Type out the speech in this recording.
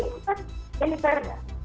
itu kan militernya